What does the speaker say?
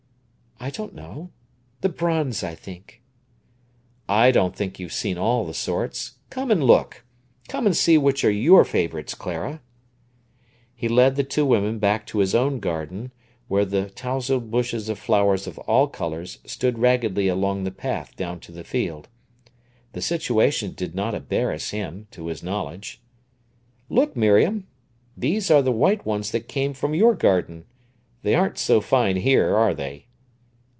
"I don't know. The bronze, I think." "I don't think you've seen all the sorts. Come and look. Come and see which are your favourites, Clara." He led the two women back to his own garden, where the towsled bushes of flowers of all colours stood raggedly along the path down to the field. The situation did not embarrass him, to his knowledge. "Look, Miriam; these are the white ones that came from your garden. They aren't so fine here, are they?"